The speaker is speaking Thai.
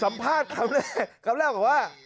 สัมภาษณ์กลับแรกก็ว่า